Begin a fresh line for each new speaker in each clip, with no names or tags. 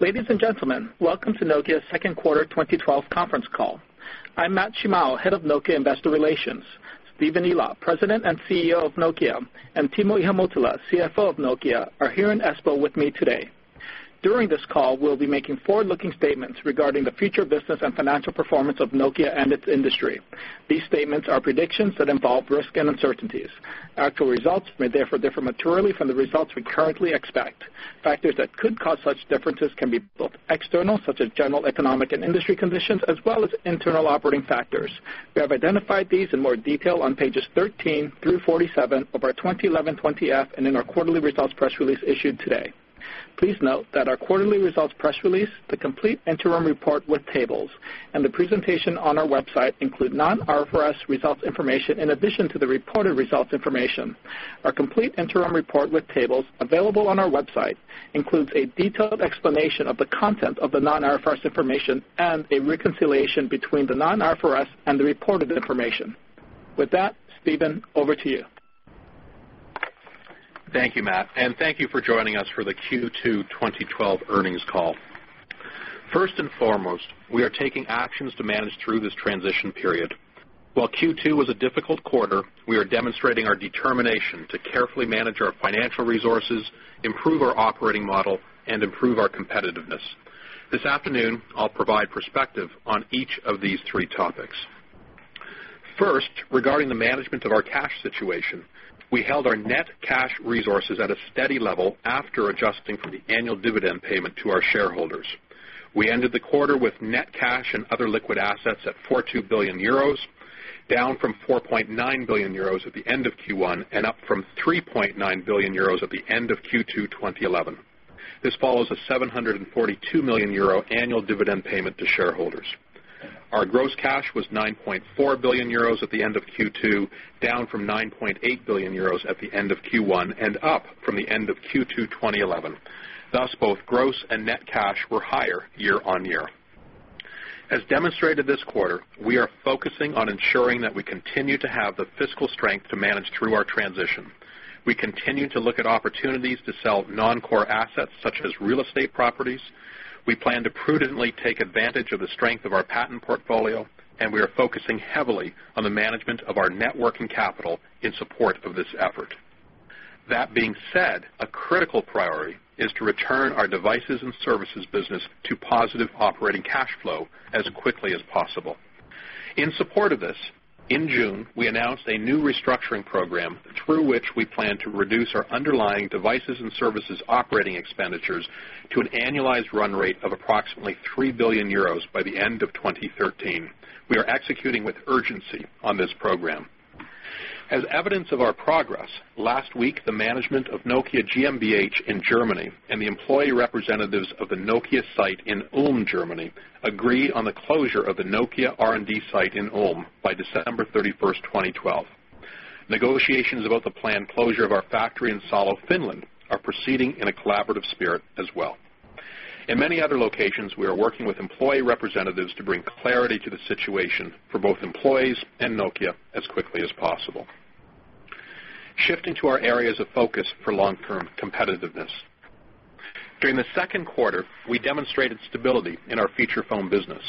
Ladies and gentlemen, welcome to Nokia's second quarter 2012 conference call. I'm Matt Shimao, Head of Nokia Investor Relations. Stephen Elop, President and CEO of Nokia, and Timo Ihamuotila, CFO of Nokia, are here in Espoo with me today. During this call, we'll be making forward-looking statements regarding the future business and financial performance of Nokia and its industry. These statements are predictions that involve risk and uncertainties. Actual results may therefore differ materially from the results we currently expect. Factors that could cause such differences can be both external, such as general economic and industry conditions, as well as internal operating factors. We have identified these in more detail on pages 13 through 47 of our 2011 20-F and in our quarterly results press release issued today. Please note that our quarterly results press release, the complete interim report with tables, and the presentation on our website include non-IFRS results information in addition to the reported results information. Our complete interim report with tables available on our website includes a detailed explanation of the content of the non-IFRS information and a reconciliation between the non-IFRS and the reported information. With that, Stephen, over to you.
Thank you, Matt, and thank you for joining us for the Q2 2012 earnings call. First and foremost, we are taking actions to manage through this transition period. While Q2 was a difficult quarter, we are demonstrating our determination to carefully manage our financial resources, improve our operating model, and improve our competitiveness. This afternoon, I'll provide perspective on each of these three topics. First, regarding the management of our cash situation, we held our net cash resources at a steady level after adjusting for the annual dividend payment to our shareholders. We ended the quarter with net cash and other liquid assets at 4.2 billion euros, down from 4.9 billion euros at the end of Q1, and up from 3.9 billion euros at the end of Q2 2011. This follows a 742 million euro annual dividend payment to shareholders. Our gross cash was 9.4 billion euros at the end of Q2, down from 9.8 billion euros at the end of Q1, and up from the end of Q2 2011. Thus, both gross and net cash were higher year-on-year. As demonstrated this quarter, we are focusing on ensuring that we continue to have the fiscal strength to manage through our transition. We continue to look at opportunities to sell non-core assets such as real estate properties. We plan to prudently take advantage of the strength of our patent portfolio, and we are focusing heavily on the management of our net working capital in support of this effort. That being said, a critical priority is to return our Devices and Services business to positive operating cash flow as quickly as possible. In support of this, in June, we announced a new restructuring program through which we plan to reduce our underlying Devices and Services operating expenditures to an annualized run rate of approximately 3 billion euros by the end of 2013. We are executing with urgency on this program. As evidence of our progress, last week, the management of Nokia GmbH in Germany and the employee representatives of the Nokia site in Ulm, Germany, agree on the closure of the Nokia R&D site in Ulm by December 31, 2012. Negotiations about the planned closure of our factory in Salo, Finland, are proceeding in a collaborative spirit as well. In many other locations, we are working with employee representatives to bring clarity to the situation for both employees and Nokia as quickly as possible. Shifting to our areas of focus for long-term competitiveness. During the second quarter, we demonstrated stability in our feature phone business.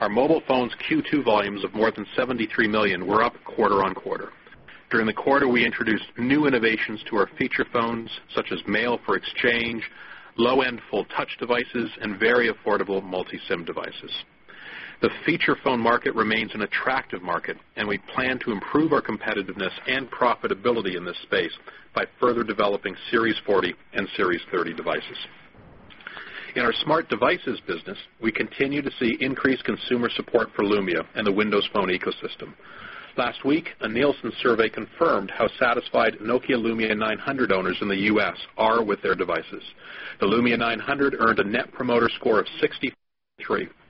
Our Mobile Phones Q2 volumes of more than 73 million were up quarter-on-quarter. During the quarter, we introduced new innovations to our feature phones, such as Mail for Exchange, low-end full touch devices, and very affordable multi-SIM devices. The feature phone market remains an attractive market, and we plan to improve our competitiveness and profitability in this space by further developing Series 40 and Series 30 devices. In our Smart Devices business, we continue to see increased consumer support for Lumia and the Windows Phone ecosystem. Last week, a Nielsen survey confirmed how satisfied Nokia Lumia 900 owners in the U.S. are with their devices. The Lumia 900 earned a Net Promoter Score of 63,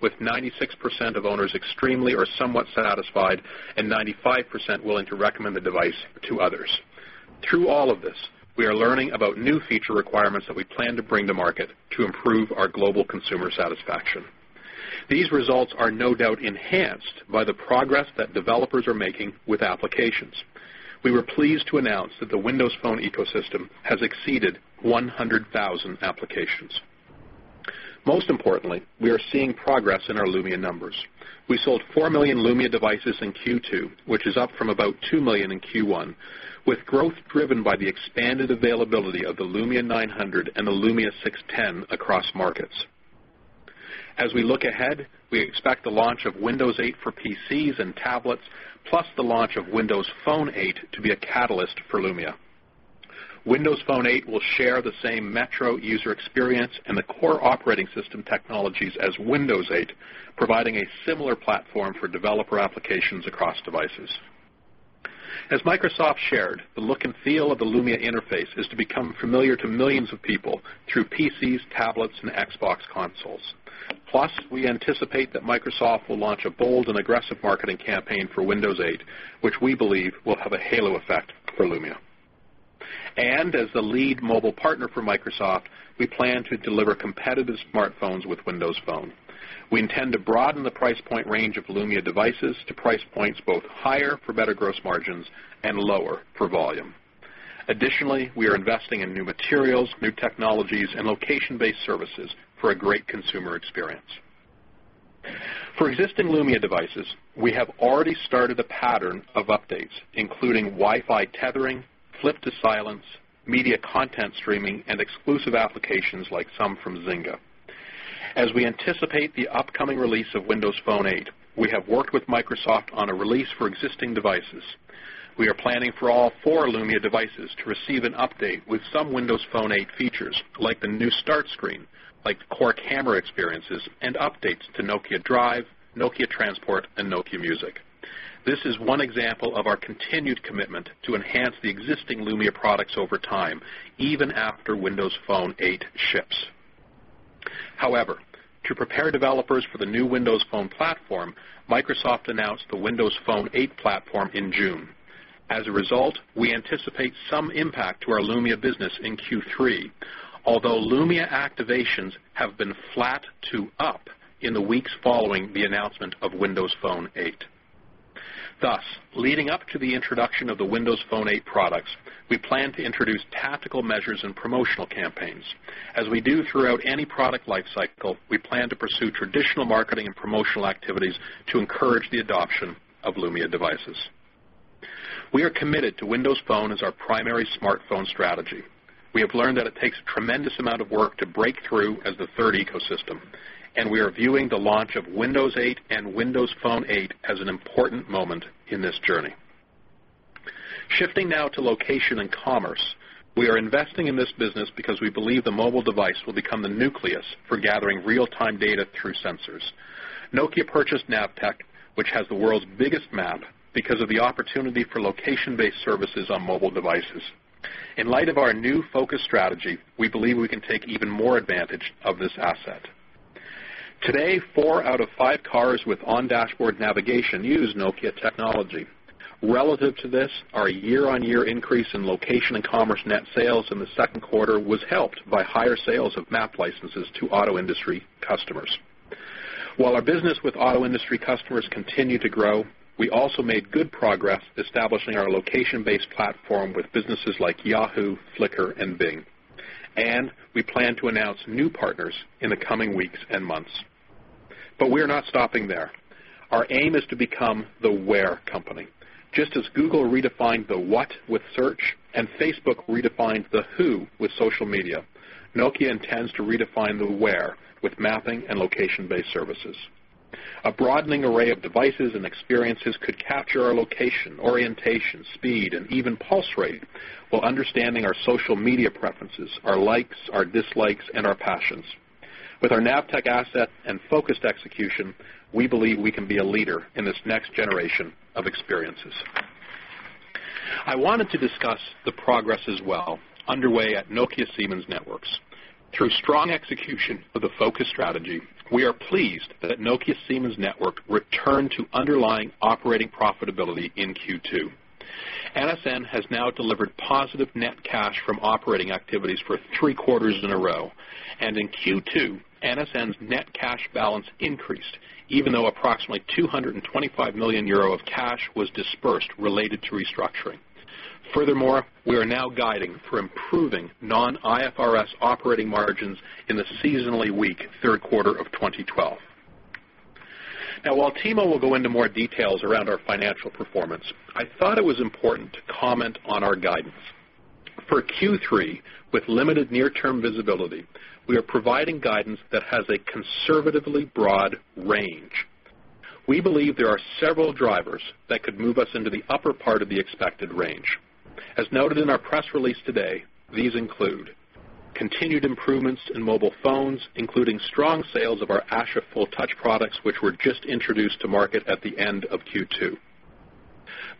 with 96% of owners extremely or somewhat satisfied and 95% willing to recommend the device to others. Through all of this, we are learning about new feature requirements that we plan to bring to market to improve our global consumer satisfaction. These results are no doubt enhanced by the progress that developers are making with applications. We were pleased to announce that the Windows Phone ecosystem has exceeded 100,000 applications. Most importantly, we are seeing progress in our Lumia numbers. We sold 4 million Lumia devices in Q2, which is up from about 2 million in Q1, with growth driven by the expanded availability of the Lumia 900 and the Lumia 610 across markets. As we look ahead, we expect the launch of Windows 8 for PCs and tablets, plus the launch of Windows Phone 8 to be a catalyst for Lumia. Windows Phone 8 will share the same Metro user experience and the core operating system technologies as Windows 8, providing a similar platform for developer applications across devices. As Microsoft shared, the look and feel of the Lumia interface is to become familiar to millions of people through PCs, tablets, and Xbox consoles. Plus, we anticipate that Microsoft will launch a bold and aggressive marketing campaign for Windows 8, which we believe will have a halo effect for Lumia. As the lead mobile partner for Microsoft, we plan to deliver competitive smartphones with Windows Phone. We intend to broaden the price point range of Lumia devices to price points both higher for better gross margins and lower for volume. Additionally, we are investing in new materials, new technologies, and location-based services for a great consumer experience. For existing Lumia devices, we have already started a pattern of updates, including Wi-Fi tethering, Flip to Silence, media content streaming, and exclusive applications like some from Zynga. As we anticipate the upcoming release of Windows Phone 8, we have worked with Microsoft on a release for existing devices. We are planning for all four Lumia devices to receive an update with some Windows Phone 8 features, like the new Start screen, like core camera experiences, and updates to Nokia Drive, Nokia Transport, and Nokia Music. This is one example of our continued commitment to enhance the existing Lumia products over time, even after Windows Phone 8 ships. However, to prepare developers for the new Windows Phone platform, Microsoft announced the Windows Phone 8 platform in June. As a result, we anticipate some impact to our Lumia business in Q3, although Lumia activations have been flat to up in the weeks following the announcement of Windows Phone 8. Thus, leading up to the introduction of the Windows Phone 8 products, we plan to introduce tactical measures and promotional campaigns. As we do throughout any product life cycle, we plan to pursue traditional marketing and promotional activities to encourage the adoption of Lumia devices. We are committed to Windows Phone as our primary smartphone strategy. We have learned that it takes a tremendous amount of work to break through as the third ecosystem, and we are viewing the launch of Windows 8 and Windows Phone 8 as an important moment in this journey. Shifting now to Location and Commerce, we are investing in this business because we believe the mobile device will become the nucleus for gathering real-time data through sensors. Nokia purchased Navteq, which has the world's biggest map, because of the opportunity for location-based services on mobile devices. In light of our new focus strategy, we believe we can take even more advantage of this asset. Today, four out of five cars with on-dashboard navigation use Nokia technology. Relative to this, our year-on-year increase in Location and Commerce net sales in the second quarter was helped by higher sales of map licenses to auto industry customers. While our business with auto industry customers continue to grow, we also made good progress establishing our location-based platform with businesses like Yahoo, Flickr, and Bing, and we plan to announce new partners in the coming weeks and months. But we are not stopping there. Our aim is to become the Where company. Just as Google redefined the what with search and Facebook redefined the who with social media, Nokia intends to redefine the where with mapping and location-based services. A broadening array of devices and experiences could capture our location, orientation, speed, and even pulse rate, while understanding our social media preferences, our likes, our dislikes, and our passions. With our Navteq asset and focused execution, we believe we can be a leader in this next generation of experiences. I wanted to discuss the progress as well underway at Nokia Siemens Networks. Through strong execution of the focus strategy, we are pleased that Nokia Siemens Networks returned to underlying operating profitability in Q2. NSN has now delivered positive net cash from operating activities for 3 quarters in a row, and in Q2, NSN's net cash balance increased, even though approximately 225 million euro of cash was dispersed related to restructuring. Furthermore, we are now guiding for improving non-IFRS operating margins in the seasonally weak third quarter of 2012. Now, while Timo will go into more details around our financial performance, I thought it was important to comment on our guidance. For Q3, with limited near-term visibility, we are providing guidance that has a conservatively broad range. We believe there are several drivers that could move us into the upper part of the expected range. As noted in our press release today, these include continued improvements in Mobile Phones, including strong sales of our Asha full touch products, which were just introduced to market at the end of Q2.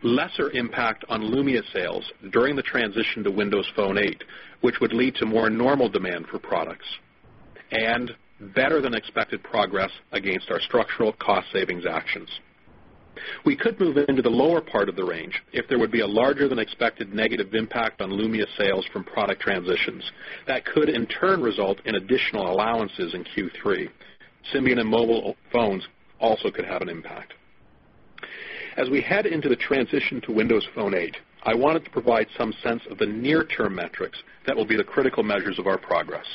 Lesser impact on Lumia sales during the transition to Windows Phone 8, which would lead to more normal demand for products, and better than expected progress against our structural cost savings actions. We could move into the lower part of the range if there would be a larger than expected negative impact on Lumia sales from product transitions. That could, in turn, result in additional allowances in Q3. Symbian and Mobile Phones also could have an impact. As we head into the transition to Windows Phone 8, I wanted to provide some sense of the near-term metrics that will be the critical measures of our progress.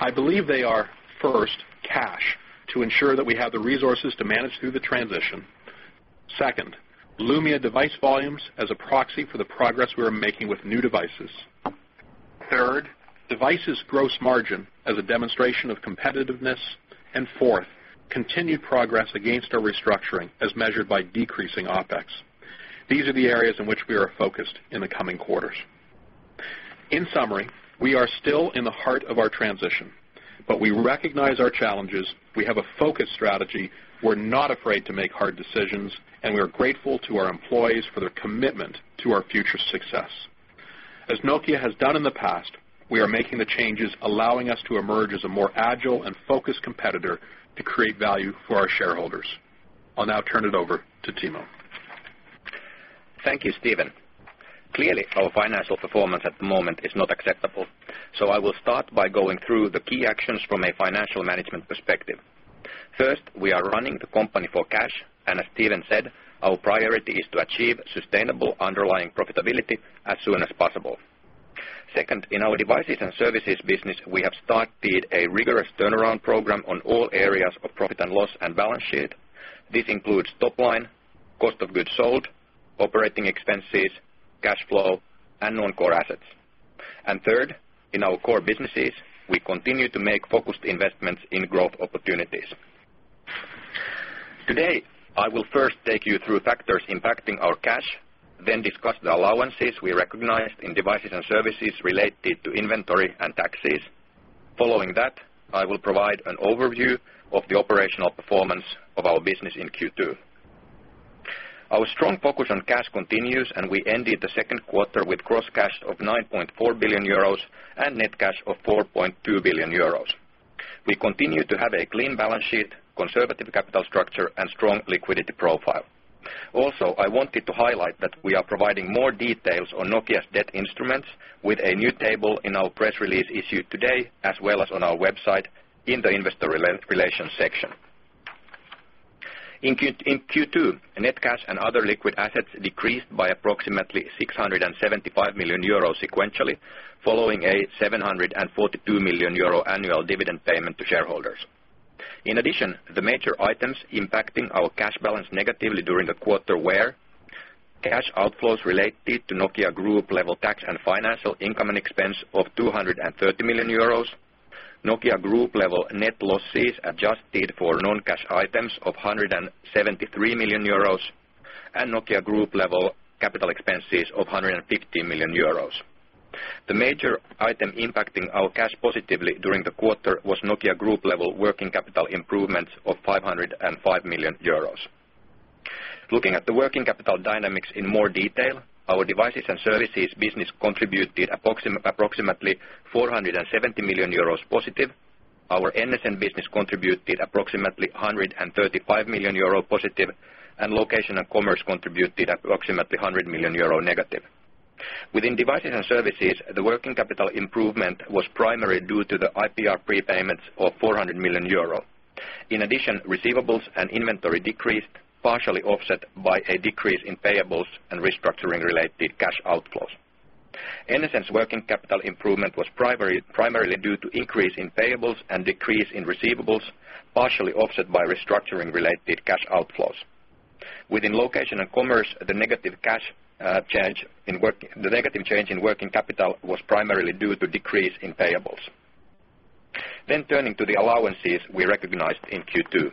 I believe they are, first, cash, to ensure that we have the resources to manage through the transition. Second, Lumia device volumes as a proxy for the progress we are making with new devices. Third, devices gross margin as a demonstration of competitiveness. And fourth, continued progress against our restructuring as measured by decreasing OpEx. These are the areas in which we are focused in the coming quarters. In summary, we are still in the heart of our transition, but we recognize our challenges, we have a focused strategy, we're not afraid to make hard decisions, and we are grateful to our employees for their commitment to our future success. As Nokia has done in the past, we are making the changes, allowing us to emerge as a more agile and focused competitor to create value for our shareholders. I'll now turn it over to Timo.
Thank you, Stephen. Clearly, our financial performance at the moment is not acceptable, so I will start by going through the key actions from a financial management perspective. First, we are running the company for cash, and as Stephen said, our priority is to achieve sustainable underlying profitability as soon as possible. Second, in our Devices and Services business, we have started a rigorous turnaround program on all areas of profit and loss and balance sheet. This includes top line, cost of goods sold, operating expenses, cash flow, and non-core assets. And third, in our core businesses, we continue to make focused investments in growth opportunities. Today, I will first take you through factors impacting our cash, then discuss the allowances we recognized in Devices and Services related to inventory and taxes. Following that, I will provide an overview of the operational performance of our business in Q2. Our strong focus on cash continues, and we ended the second quarter with gross cash of 9.4 billion euros and net cash of 4.2 billion euros. We continue to have a clean balance sheet, conservative capital structure, and strong liquidity profile. Also, I wanted to highlight that we are providing more details on Nokia's debt instruments with a new table in our press release issued today, as well as on our website in the investor relations section. In Q2, net cash and other liquid assets decreased by approximately 675 million euros sequentially, following a 742 million euro annual dividend payment to shareholders. In addition, the major items impacting our cash balance negatively during the quarter were: cash outflows related to Nokia Group level tax and financial income and expense of 230 million euros, Nokia Group level net losses adjusted for non-cash items of 173 million euros, and Nokia Group level capital expenses of 150 million euros. The major item impacting our cash positively during the quarter was Nokia Group level working capital improvements of 505 million euros. Looking at the working capital dynamics in more detail, our Devices and Services business contributed approximately 470 million euros positive, our NSN business contributed approximately 135 million euro positive, and Location and Commerce contributed approximately 100 million euro negative. Within Devices and Services, the working capital improvement was primary due to the IPR prepayments of 400 million euro. In addition, receivables and inventory decreased, partially offset by a decrease in payables and restructuring-related cash outflows. NSN's working capital improvement was primarily due to increase in payables and decrease in receivables, partially offset by restructuring related cash outflows. Within Location and Commerce, the negative change in working capital was primarily due to decrease in payables. Then turning to the allowances we recognized in Q2.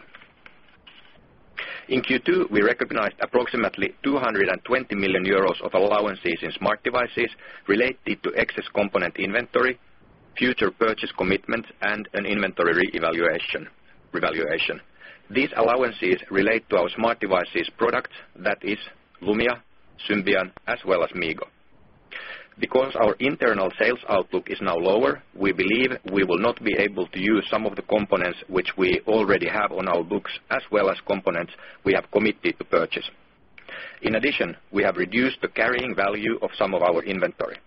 In Q2, we recognized approximately 220 million euros of allowances in Smart Devices related to excess component inventory, future purchase commitments, and an inventory revaluation. These allowances relate to our Smart Devices products, that is Lumia, Symbian, as well as MeeGo. Because our internal sales outlook is now lower, we believe we will not be able to use some of the components which we already have on our books, as well as components we have committed to purchase. In addition, we have reduced the carrying value of some of our inventory.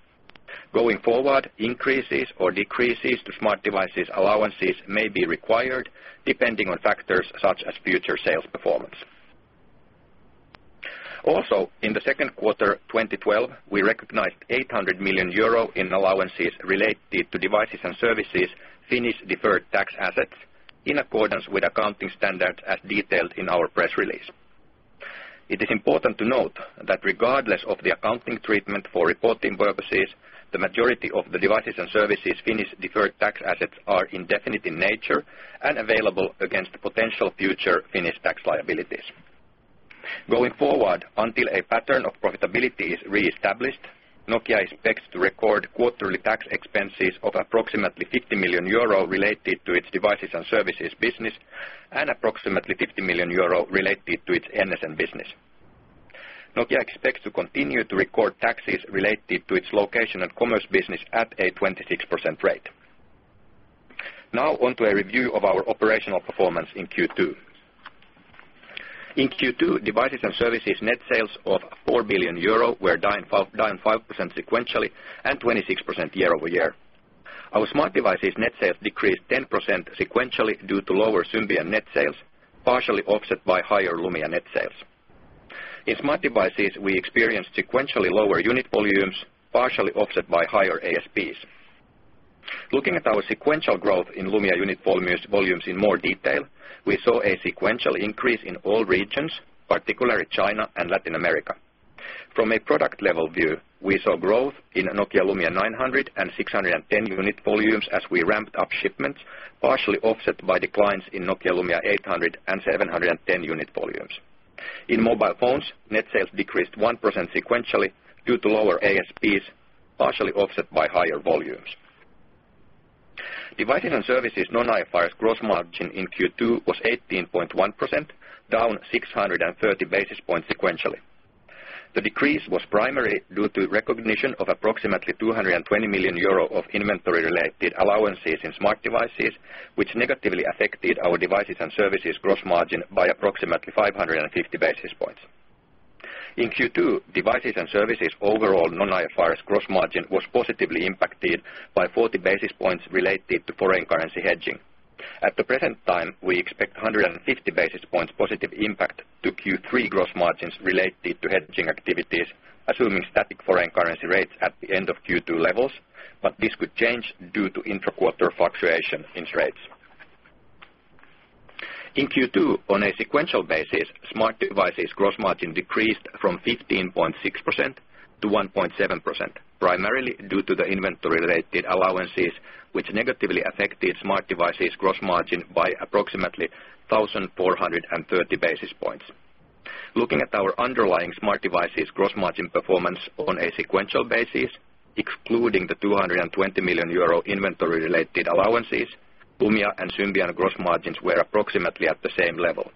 Going forward, increases or decreases to Smart Sevices allowances may be required, depending on factors such as future sales performance. Also, in the second quarter, 2012, we recognized 800 million euro in allowances related to Devices and Services, Finnish deferred tax assets, in accordance with accounting standard, as detailed in our press release. It is important to note that regardless of the accounting treatment for reporting purposes, the majority of the Devices and Services Finnish deferred tax assets are indefinite in nature, and available against potential future Finnish tax liabilities. Going forward, until a pattern of profitability is reestablished, Nokia expects to record quarterly tax expenses of approximately 50 million euro related to its Devices and Services business, and approximately 50 million euro related to its NSN business. Nokia expects to continue to record taxes related to its Location and Commerce business at a 26% rate. Now on to a review of our operational performance in Q2. In Q2, Devices and Services net sales of 4 billion euro were down 5, down 5% sequentially and 26% year-over-year. Our Smart Devices net sales decreased 10% sequentially due to lower Symbian net sales, partially offset by higher Lumia net sales. In Smart Devices, we experienced sequentially lower unit volumes, partially offset by higher ASPs. Looking at our sequential growth in Lumia unit volumes, volumes in more detail, we saw a sequential increase in all regions, particularly China and Latin America. From a product level view, we saw growth in Nokia Lumia 900 and 610 unit volumes as we ramped up shipments, partially offset by declines in Nokia Lumia 800 and 710 unit volumes. In Mobile Phones, net sales decreased 1% sequentially due to lower ASPs, partially offset by higher volumes. Devices and Services non-IFRS gross margin in Q2 was 18.1%, down 630 basis points sequentially. The decrease was primarily due to recognition of approximately 220 million euro of inventory-related allowances in Smart Devices, which negatively affected our Devices and Services gross margin by approximately 550 basis points.... In Q2, Devices and Services overall non-IFRS gross margin was positively impacted by 40 basis points related to foreign currency hedging. At the present time, we expect 150 basis points positive impact to Q3 gross margins related to hedging activities, assuming static foreign currency rates at the end of Q2 levels, but this could change due to intra-quarter fluctuation in trades. In Q2, on a sequential basis, Smart Devices gross margin decreased from 15.6% to 1.7%, primarily due to the inventory-related allowances, which negatively affected Smart Devices gross margin by approximately 1,430 basis points. Looking at our underlying Smart Devices gross margin performance on a sequential basis, excluding the 220 million euro inventory-related allowances, Lumia and Symbian gross margins were approximately at the same level.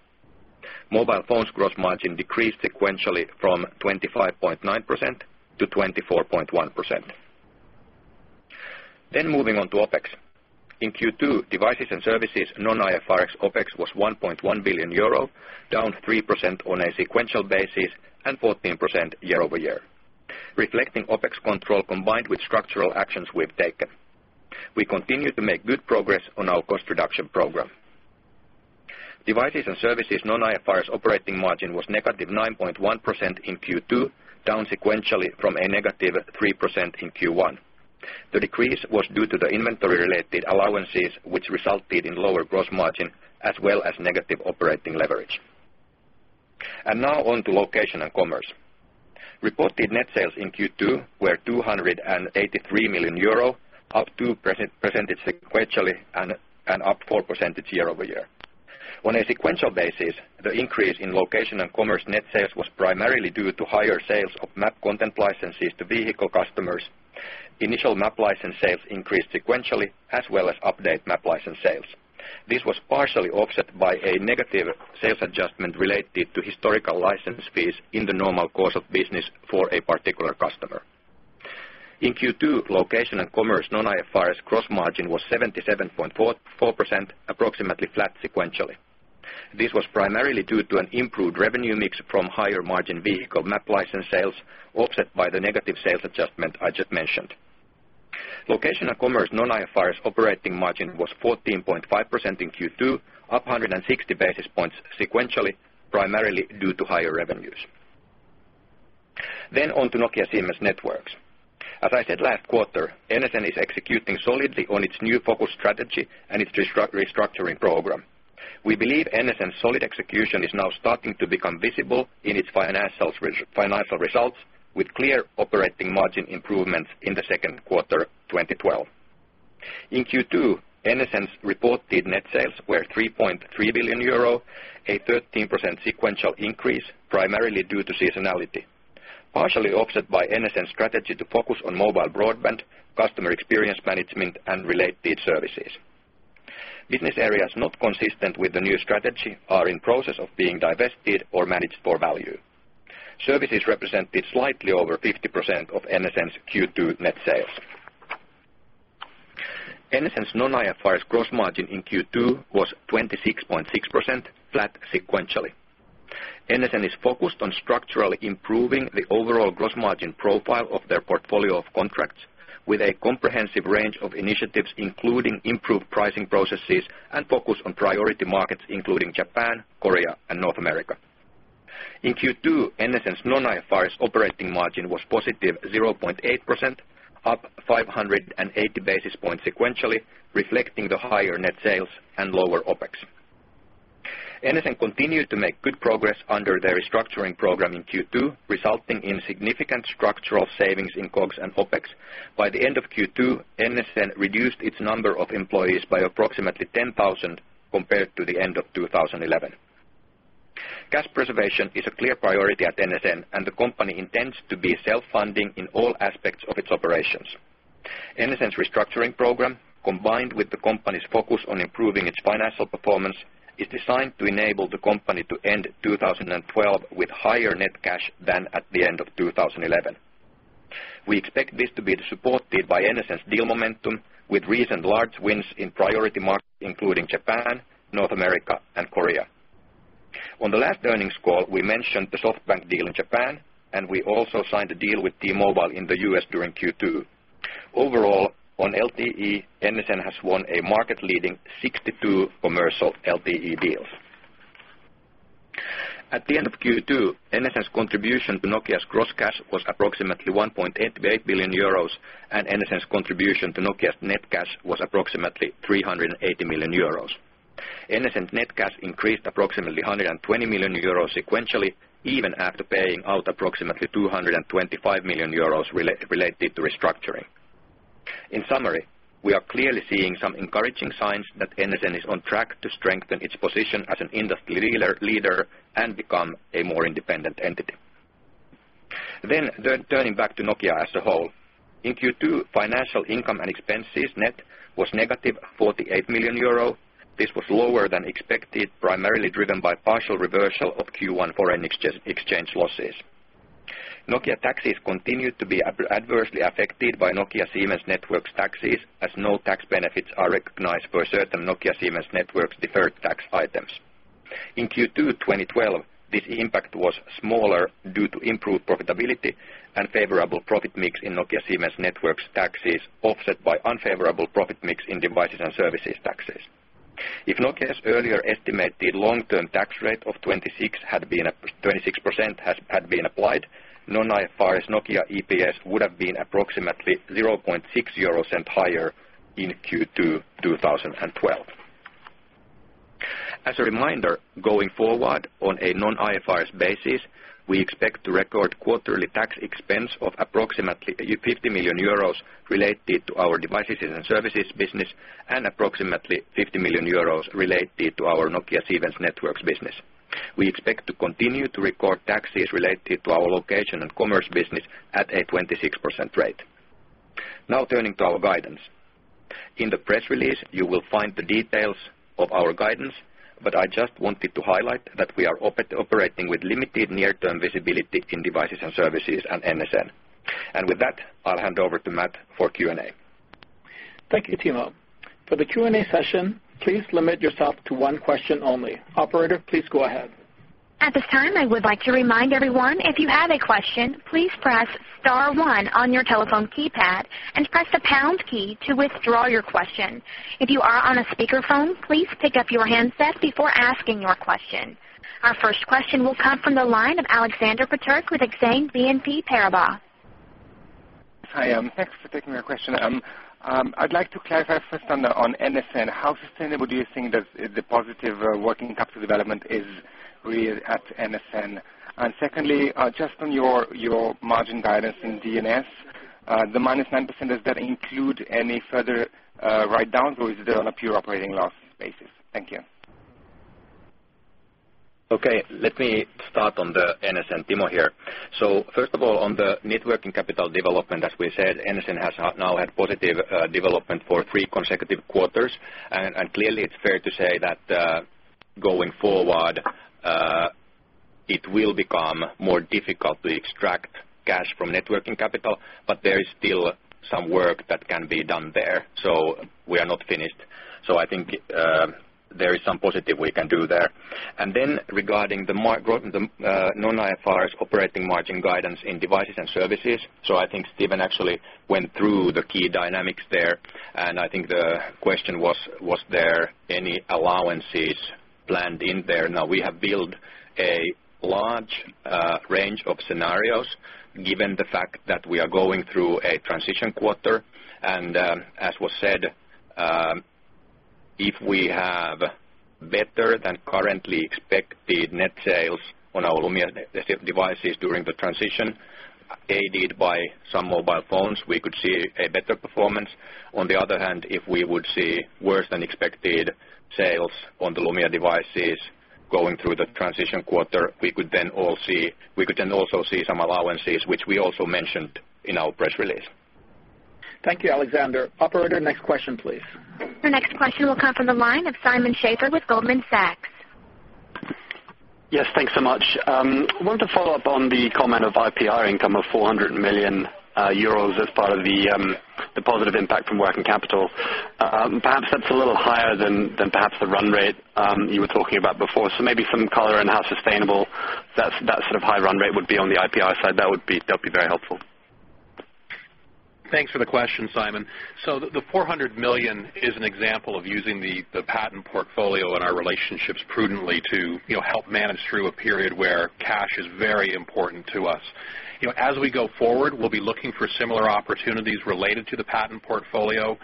Mobile Phones gross margin decreased sequentially from 25.9% to 24.1%. Moving on to OpEx. In Q2, Devices and Services non-IFRS OpEx was 1.1 billion euro, down 3% on a sequential basis and 14% year-over-year, reflecting OpEx control, combined with structural actions we've taken. We continue to make good progress on our cost reduction program. Devices and Services non-IFRS operating margin was -9.1% in Q2, down sequentially from -3% in Q1. The decrease was due to the inventory-related allowances, which resulted in lower gross margin, as well as negative operating leverage. Now on to Location and Commerce. Reported net sales in Q2 were 283 million euro, up 2% sequentially and up 4% year-over-year. On a sequential basis, the increase in Location and Commerce net sales was primarily due to higher sales of map content licenses to vehicle customers. Initial map license sales increased sequentially, as well as update map license sales. This was partially offset by a negative sales adjustment related to historical license fees in the normal course of business for a particular customer. In Q2, Location and Commerce non-IFRS gross margin was 77.4%, approximately flat sequentially. This was primarily due to an improved revenue mix from higher margin vehicle map license sales, offset by the negative sales adjustment I just mentioned. Location and Commerce non-IFRS operating margin was 14.5% in Q2, up 160 basis points sequentially, primarily due to higher revenues. Then on to Nokia Siemens Networks. As I said last quarter, NSN is executing solidly on its new focus strategy and its restructuring program. We believe NSN's solid execution is now starting to become visible in its financial results, with clear operating margin improvements in the second quarter, 2012. In Q2, NSN's reported net sales were 3.3 billion euro, a 13% sequential increase, primarily due to seasonality, partially offset by NSN's strategy to focus on mobile broadband, customer experience management, and related services. Business areas not consistent with the new strategy are in process of being divested or managed for value. Services represented slightly over 50% of NSN's Q2 net sales. NSN's non-IFRS gross margin in Q2 was 26.6%, flat sequentially. NSN is focused on structurally improving the overall gross margin profile of their portfolio of contracts with a comprehensive range of initiatives, including improved pricing processes and focus on priority markets, including Japan, Korea, and North America. In Q2, NSN's non-IFRS operating margin was positive 0.8%, up 580 basis points sequentially, reflecting the higher net sales and lower OpEx. NSN continued to make good progress under their restructuring program in Q2, resulting in significant structural savings in COGS and OpEx. By the end of Q2, NSN reduced its number of employees by approximately 10,000 compared to the end of 2011. Cash preservation is a clear priority at NSN, and the company intends to be self-funding in all aspects of its operations. NSN's restructuring program, combined with the company's focus on improving its financial performance, is designed to enable the company to end 2012 with higher net cash than at the end of 2011. We expect this to be supported by NSN's deal momentum with recent large wins in priority markets, including Japan, North America, and Korea. On the last earnings call, we mentioned the SoftBank deal in Japan, and we also signed a deal with T-Mobile in the U.S. during Q2. Overall, on LTE, NSN has won a market-leading 62 commercial LTE deals. At the end of Q2, NSN's contribution to Nokia's gross cash was approximately 1.88 billion euros, and NSN's contribution to Nokia's net cash was approximately 380 million euros. NSN's net cash increased approximately 120 million euros sequentially, even after paying out approximately 225 million euros related to restructuring. In summary, we are clearly seeing some encouraging signs that NSN is on track to strengthen its position as an industry leader and become a more independent entity. Then, turning back to Nokia as a whole. In Q2, financial income and expenses net was negative 48 million euro. This was lower than expected, primarily driven by partial reversal of Q1 foreign exchange losses. Nokia taxes continued to be adversely affected by Nokia Siemens Networks taxes, as no tax benefits are recognized for certain Nokia Siemens Networks deferred tax items. In Q2 2012, this impact was smaller due to improved profitability and favorable profit mix in Nokia Siemens Networks taxes, offset by unfavorable profit mix in Devices and Services taxes. If Nokia's earlier estimated long-term tax rate of 26% had been applied, non-IFRS Nokia EPS would have been approximately 0.6 euros higher in Q2 2012. As a reminder, going forward on a non-IFRS basis, we expect to record quarterly tax expense of approximately 50 million euros related to our Devices and Services business, and approximately 50 million euros related to our Nokia Siemens Networks business. We expect to continue to record taxes related to our Location and Commerce business at a 26% rate. Now turning to our guidance. In the press release, you will find the details of our guidance, but I just wanted to highlight that we are operating with limited near-term visibility in Devices and Services and NSN. With that, I'll hand over to Matt for Q&A.
Thank you, Timo. For the Q&A session, please limit yourself to one question only. Operator, please go ahead.
At this time, I would like to remind everyone, if you have a question, please press star one on your telephone keypad and press the pound key to withdraw your question. If you are on a speakerphone, please pick up your handset before asking your question. Our first question will come from the line of Alexander Peterc with Exane BNP Paribas.
Hi, thanks for taking my question. I'd like to clarify first on the, on NSN. How sustainable do you think the positive working capital development is really at NSN? And secondly, just on your margin guidance in DNS, the -9%, does that include any further write-down, or is it on a pure operating loss basis? Thank you.
Okay, let me start on the NSN. Timo here. So first of all, on the net working capital development, as we said, NSN has now had positive development for three consecutive quarters. And clearly, it's fair to say that going forward it will become more difficult to extract cash from net working capital, but there is still some work that can be done there, so we are not finished. So I think there is some positive we can do there. And then regarding the margin growth, the non-IFRS operating margin guidance in Devices and Services, so I think Steven actually went through the key dynamics there, and I think the question was: Was there any allowances planned in there? Now, we have built a large range of scenarios, given the fact that we are going through a transition quarter. As was said, if we have better than currently expected net sales on our Lumia devices during the transition, aided by some Mobile Phones, we could see a better performance. On the other hand, if we would see worse than expected sales on the Lumia devices going through the transition quarter, we could then also see some allowances, which we also mentioned in our press release.
Thank you, Alexander. Operator, next question, please.
The next question will come from the line of Simon Schafer with Goldman Sachs.
Yes, thanks so much. I want to follow up on the comment of IPR income of 400 million euros as part of the the positive impact from working capital. Perhaps that's a little higher than than perhaps the run rate you were talking about before. So maybe some color on how sustainable that that sort of high run rate would be on the IPR side. That would be, that'd be very helpful.
Thanks for the question, Simon. So the 400 million is an example of using the patent portfolio and our relationships prudently to, you know, help manage through a period where cash is very important to us. You know, as we go forward, we'll be looking for similar opportunities related to the patent portfolio,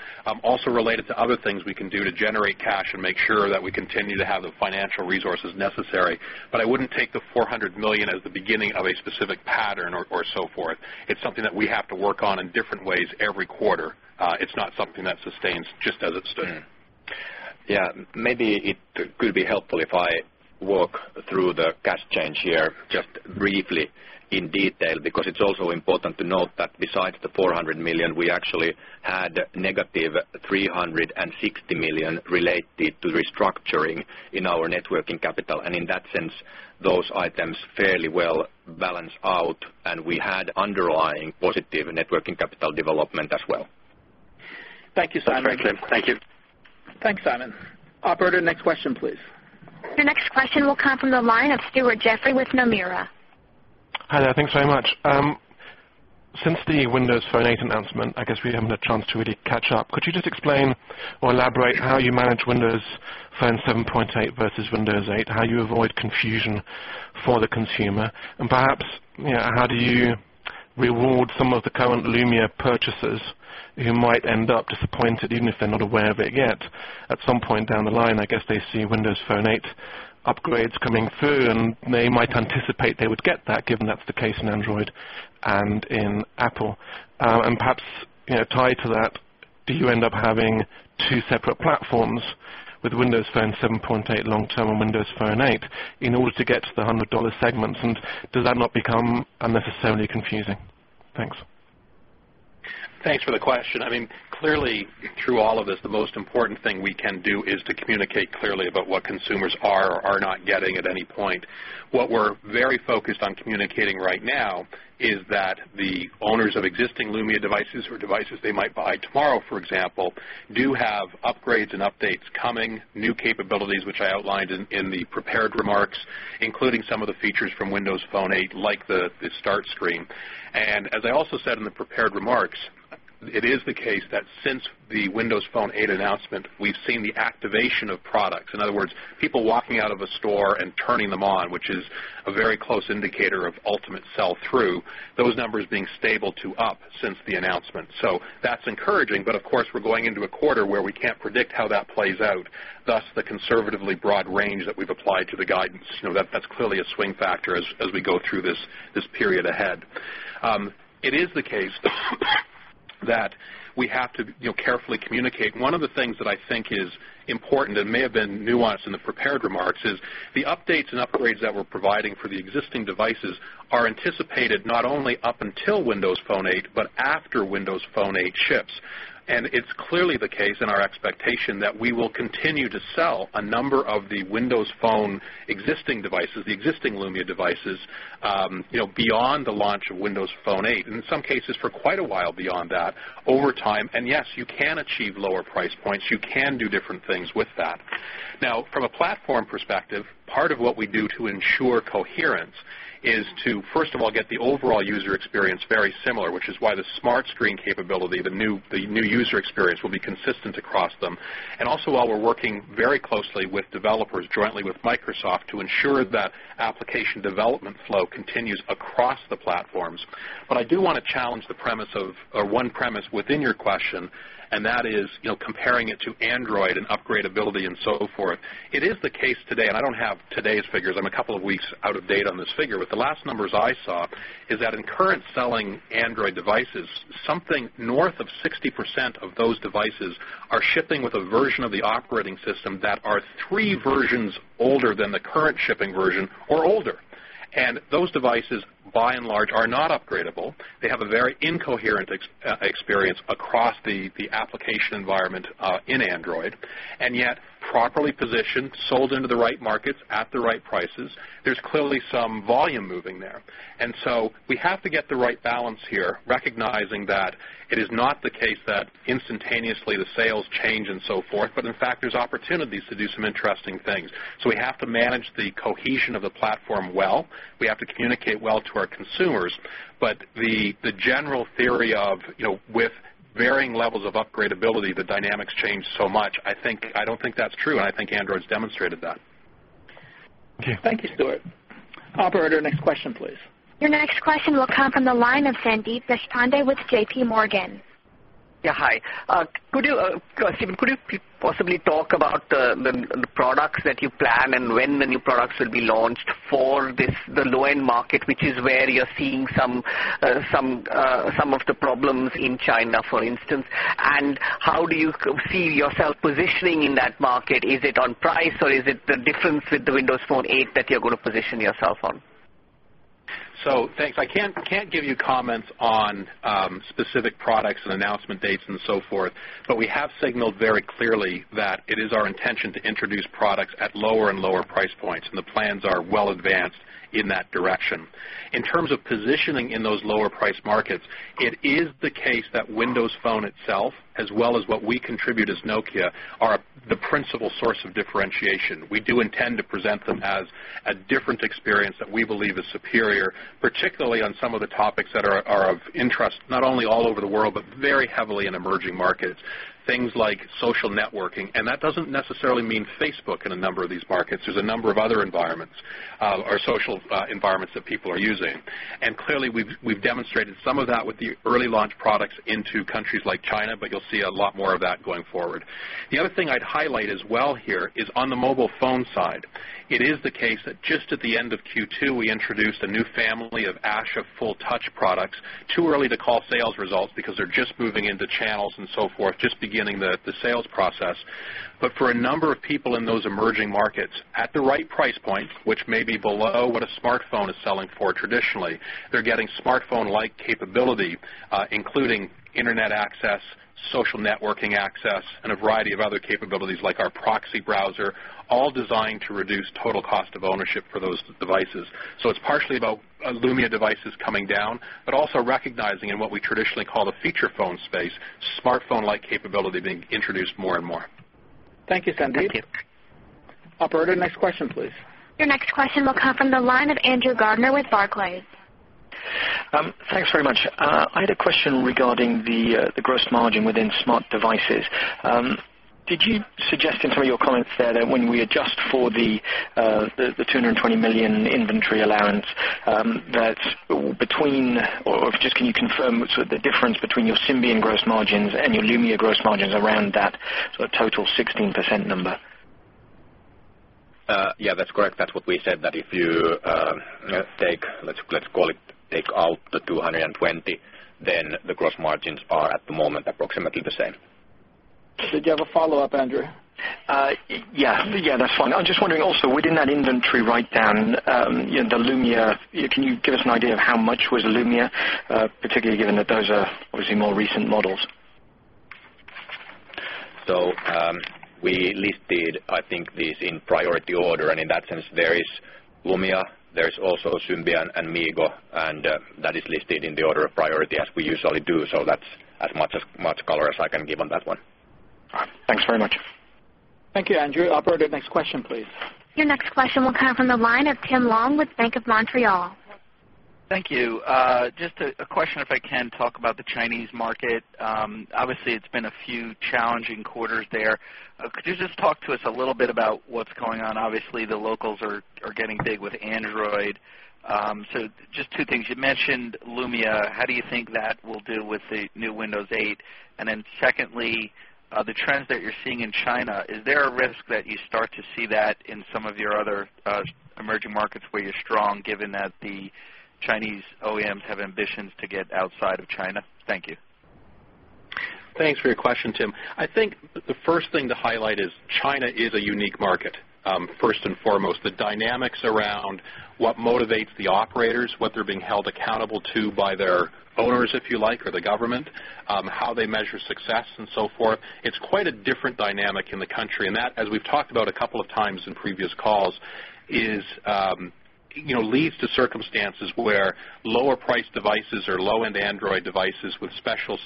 also related to other things we can do to generate cash and make sure that we continue to have the financial resources necessary. But I wouldn't take the 400 million as the beginning of a specific pattern or, or so forth. It's something that we have to work on in different ways every quarter. It's not something that sustains just as it stood.
Yeah, maybe it could be helpful if I walk through the cash change here just briefly in detail, because it's also important to note that besides the 400 million, we actually had negative 360 million related to restructuring in our net working capital. And in that sense, those items fairly well balance out, and we had underlying positive net working capital development as well.
Thank you, Simon.
Thank you.
Thanks, Simon. Operator, next question, please.
The next question will come from the line of Stuart Jeffrey with Nomura.
Hi there, thanks very much. Since the Windows Phone 8 announcement, I guess we haven't had a chance to really catch up. Could you just explain or elaborate how you manage Windows Phone 7.8 versus Windows 8? How you avoid confusion for the consumer, and perhaps, you know, how do you reward some of the current Lumia purchasers who might end up disappointed, even if they're not aware of it yet? At some point down the line, I guess they see Windows Phone 8 upgrades coming through, and they might anticipate they would get that, given that's the case in Android and in Apple. And perhaps, you know, tied to that, do you end up having two separate platforms with Windows Phone 7.8 long-term and Windows Phone 8, in order to get to the $100 segments, and does that not become unnecessarily confusing? Thanks.
...Thanks for the question. I mean, clearly, through all of this, the most important thing we can do is to communicate clearly about what consumers are or are not getting at any point. What we're very focused on communicating right now is that the owners of existing Lumia devices or devices they might buy tomorrow, for example, do have upgrades and updates coming, new capabilities, which I outlined in the prepared remarks, including some of the features from Windows Phone 8, like the Start screen. And as I also said in the prepared remarks, it is the case that since the Windows Phone 8 announcement, we've seen the activation of products. In other words, people walking out of a store and turning them on, which is a very close indicator of ultimate sell through, those numbers being stable to up since the announcement. So that's encouraging. But of course, we're going into a quarter where we can't predict how that plays out, thus the conservatively broad range that we've applied to the guidance. You know, that's clearly a swing factor as we go through this period ahead. It is the case that we have to, you know, carefully communicate. One of the things that I think is important, and may have been nuanced in the prepared remarks, is the updates and upgrades that we're providing for the existing devices are anticipated not only up until Windows Phone 8, but after Windows Phone 8 ships. And it's clearly the case in our expectation that we will continue to sell a number of the Windows Phone existing devices, the existing Lumia devices, you know, beyond the launch of Windows Phone 8, and in some cases, for quite a while beyond that over time. Yes, you can achieve lower price points. You can do different things with that. Now, from a platform perspective, part of what we do to ensure coherence is to, first of all, get the overall user experience very similar, which is why the smart screen capability, the new user experience, will be consistent across them. And also, while we're working very closely with developers jointly with Microsoft to ensure that application development flow continues across the platforms. But I do want to challenge the premise of, or one premise within your question, and that is, you know, comparing it to Android and upgradeability and so forth. It is the case today, and I don't have today's figures. I'm a couple of weeks out of date on this figure, but the last numbers I saw is that in current selling Android devices, something north of 60% of those devices are shipping with a version of the operating system that are three versions older than the current shipping version or older. And those devices, by and large, are not upgradeable. They have a very incoherent experience across the, the application environment in Android, and yet properly positioned, sold into the right markets at the right prices. There's clearly some volume moving there. And so we have to get the right balance here, recognizing that it is not the case that instantaneously the sales change and so forth, but in fact, there's opportunities to do some interesting things. We have to manage the cohesion of the platform well. We have to communicate well to our consumers. But the, the general theory of, you know, with varying levels of upgradeability, the dynamics change so much, I think- I don't think that's true, and I think Android's demonstrated that.
Thank you, Stuart. Operator, next question, please.
Your next question will come from the line of Sandeep Deshpande with J.P. Morgan.
Yeah, hi. Could you, Stephen, possibly talk about the products that you plan and when the new products will be launched for this, the low-end market, which is where you're seeing some of the problems in China, for instance? And how do you see yourself positioning in that market? Is it on price, or is it the difference with the Windows Phone 8 that you're going to position yourself on?
So thanks. I can't give you comments on specific products and announcement dates and so forth, but we have signaled very clearly that it is our intention to introduce products at lower and lower price points, and the plans are well advanced in that direction. In terms of positioning in those lower price markets, it is the case that Windows Phone itself, as well as what we contribute as Nokia, are the principal source of differentiation. We do intend to present them as a different experience that we believe is superior, particularly on some of the topics that are of interest, not only all over the world, but very heavily in emerging markets. Things like social networking, and that doesn't necessarily mean Facebook in a number of these markets. There's a number of other environments or social environments that people are using. And clearly, we've demonstrated some of that with the early launch products into countries like China, but you'll see a lot more of that going forward. The other thing I'd highlight as well here is on the mobile phone side, it is the case that just at the end of Q2, we introduced a new family of Asha full touch products. Too early to call sales results because they're just moving into channels and so forth, just beginning the sales process. But for a number of people in those emerging markets, at the right price point, which may be below what a smartphone is selling for traditionally, they're getting smartphone-like capability, including internet access, social networking access, and a variety of other capabilities like our proxy browser, all designed to reduce total cost of ownership for those devices. So it's partially about Lumia devices coming down, but also recognizing in what we traditionally call the feature phone space, smartphone-like capability being introduced more and more.
Thank you, Sandeep.
Thank you.
Operator, next question, please.
Your next question will come from the line of Andrew Gardner with Barclays.
Thanks very much. I had a question regarding the gross margin within Smart Devices. Did you suggest in some of your comments there that when we adjust for the 220 million inventory allowance, that between... Or just can you confirm sort of the difference between your Symbian gross margins and your Lumia gross margins around that sort of total 16% number?
Yeah, that's correct. That's what we said, that if you take, let's call it, take out the 220, then the gross margins are, at the moment, approximately the same. ...
Did you have a follow-up, Andrew?
Yeah. Yeah, that's fine. I'm just wondering also, within that inventory writedown, in the Lumia, can you give us an idea of how much was Lumia, particularly given that those are obviously more recent models?
So, we listed, I think, these in priority order, and in that sense, there is Lumia, there's also Symbian and MeeGo, and that is listed in the order of priority as we usually do. So that's as much color as I can give on that one.
All right. Thanks very much.
Thank you, Andrew. Operator, next question, please.
Your next question will come from the line of Tim Long with Bank of Montreal.
Thank you. Just a question, if I can talk about the Chinese market. Obviously, it's been a few challenging quarters there. Could you just talk to us a little bit about what's going on? Obviously, the locals are getting big with Android. So just two things. You mentioned Lumia. How do you think that will do with the new Windows 8? And then secondly, the trends that you're seeing in China, is there a risk that you start to see that in some of your other emerging markets where you're strong, given that the Chinese OEMs have ambitions to get outside of China? Thank you.
Thanks for your question, Tim. I think the first thing to highlight is China is a unique market, first and foremost. The dynamics around what motivates the operators, what they're being held accountable to by their owners, if you like, or the government, how they measure success and so forth. It's quite a different dynamic in the country, and that, as we've talked about a couple of times in previous calls, is, you know, leads to circumstances where lower priced devices or low-end Android devices with special,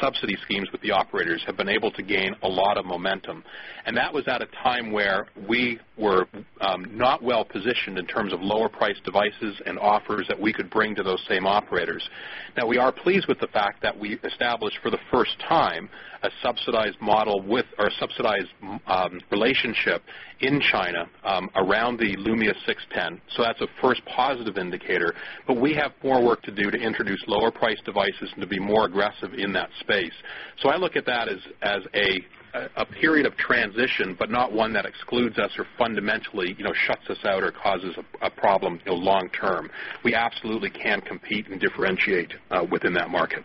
subsidy schemes with the operators have been able to gain a lot of momentum. And that was at a time where we were, not well-positioned in terms of lower priced devices and offers that we could bring to those same operators. Now, we are pleased with the fact that we established, for the first time, a subsidized model with our subsidized relationship in China around the Lumia 610. So that's a first positive indicator, but we have more work to do to introduce lower priced devices and to be more aggressive in that space. So I look at that as a period of transition, but not one that excludes us or fundamentally, you know, shuts us out or causes a problem, you know, long term. We absolutely can compete and differentiate within that market.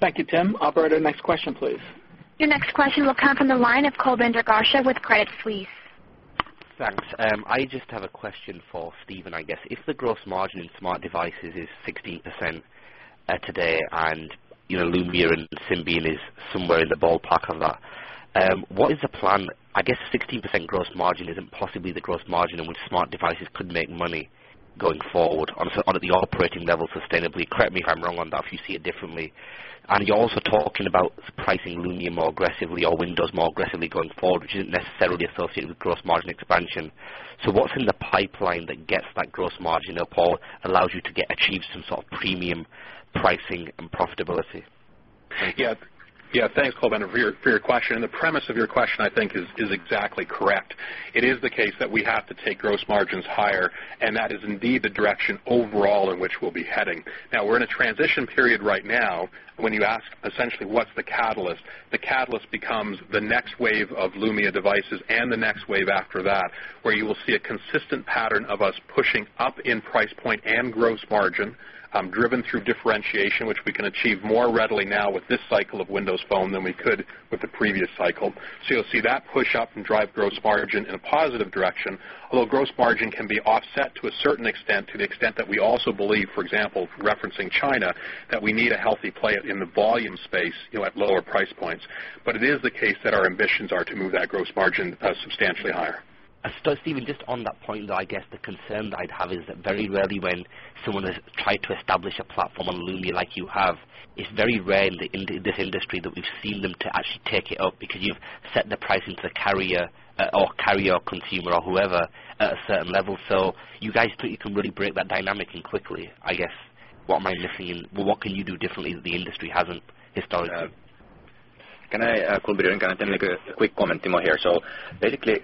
Thank you, Tim. Operator, next question, please.
Your next question will come from the line of Kulbinder Garcha with Credit Suisse.
Thanks. I just have a question for Stephen, I guess. If the gross margin in Smart Devices is 16%, today, and, you know, Lumia and Symbian is somewhere in the ballpark of that, what is the plan? I guess 16% gross margin isn't possibly the gross margin in which Smart Devices could make money going forward on, on the operating level, sustainably. Correct me if I'm wrong on that, if you see it differently. And you're also talking about pricing Lumia more aggressively or Windows more aggressively going forward, which isn't necessarily associated with gross margin expansion. So what's in the pipeline that gets that gross margin up, or allows you to get, achieve some sort of premium pricing and profitability?
Yeah. Yeah, thanks, Kulbinder, for your, for your question. The premise of your question, I think, is exactly correct. It is the case that we have to take gross margins higher, and that is indeed the direction overall in which we'll be heading. Now, we're in a transition period right now. When you ask essentially, what's the catalyst? The catalyst becomes the next wave of Lumia devices and the next wave after that, where you will see a consistent pattern of us pushing up in price point and gross margin, driven through differentiation, which we can achieve more readily now with this cycle of Windows Phone than we could with the previous cycle. So you'll see that push up and drive gross margin in a positive direction, although gross margin can be offset to a certain extent, to the extent that we also believe, for example, referencing China, that we need a healthy play in the volume space, you know, at lower price points. But it is the case that our ambitions are to move that gross margin substantially higher.
So Stephen, just on that point, though, I guess the concern that I'd have is that very rarely when someone has tried to establish a platform on Lumia like you have, it's very rare in this industry that we've seen them to actually take it up because you've set the pricing to the carrier, or carrier or consumer or whoever, at a certain level. So you guys think you can really break that dynamic and quickly? I guess, what am I missing? What can you do differently that the industry hasn't historically?
Can I, Kulbinder, can I make a quick comment? Timo here. So basically,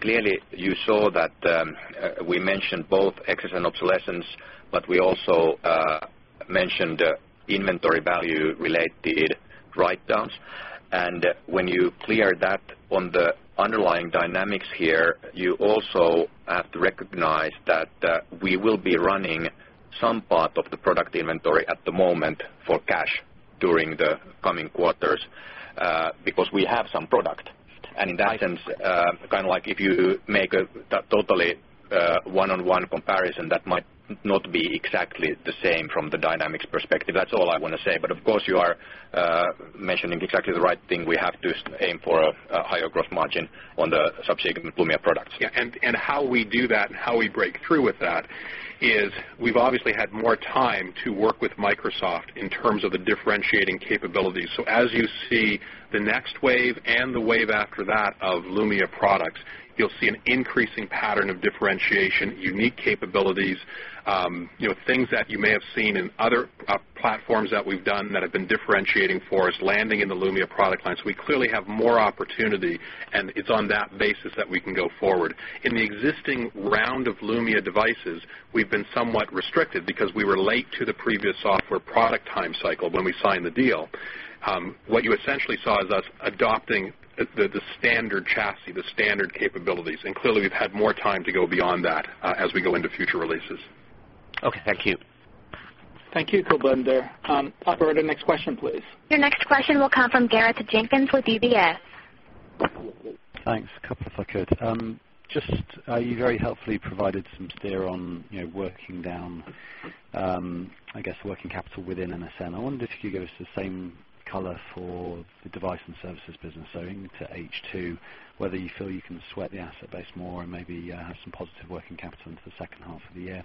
clearly, you saw that, we mentioned both excess and obsolescence, but we also mentioned inventory value related writedowns. And when you clear that on the underlying dynamics here, you also have to recognize that, we will be running some part of the product inventory at the moment for cash during the coming quarters, because we have some product. And in that sense, kind of like if you make a totally, one-on-one comparison, that might not be exactly the same from the dynamics perspective. That's all I want to say. But of course, you are mentioning exactly the right thing. We have to aim for a higher gross margin on the subsequent Lumia products.
Yeah, and how we do that and how we break through with that is we've obviously had more time to work with Microsoft in terms of the differentiating capabilities. So as you see the next wave and the wave after that of Lumia products, you'll see an increasing pattern of differentiation, unique capabilities, you know, things that you may have seen in other platforms that we've done that have been differentiating for us, landing in the Lumia product line. So we clearly have more opportunity, and it's on that basis that we can go forward. In the existing round of Lumia devices, we've been somewhat restricted because we were late to the previous software product time cycle when we signed the deal. What you essentially saw is us adopting the standard chassis, the standard capabilities, and clearly, we've had more time to go beyond that, as we go into future releases.
Okay, thank you.
Thank you, Kulbinder. Operator, next question, please.
Your next question will come from Gareth Jenkins with UBS.
Thanks. A couple if I could. Just, you very helpfully provided some steer on, you know, working down, I guess, working capital within NSN. I wondered if you could give us the same color for the device and services business, so into H2, whether you feel you can sweat the asset base more and maybe, have some positive working capital into the second half of the year.